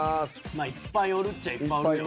まあいっぱいおるっちゃいっぱいおるよね。